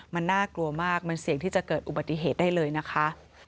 มันน่ากลัวมากมันเสี่ยงที่จะเกิดอุบัติเหตุได้เลยนะคะ